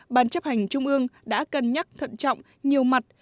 ban chấp hành trung ương đã cân nhắc thận trọng nhiều mặt